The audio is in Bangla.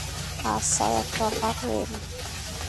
আচ্ছা, একতরফা প্রেম!